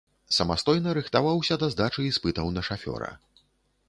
Самастойна рыхтаваўся да здачы іспытаў на шафёра.